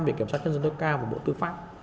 biện kiểm soát nhân dân tối cao và bộ tư pháp